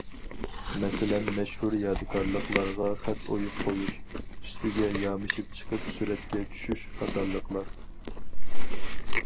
مەسىلەن: مەشھۇر يادىكارلىقلارغا خەت ئويۇپ قويۇش، ئۈستىگە يامىشىپ چىقىپ سۈرەتكە چۈشۈش قاتارلىقلار.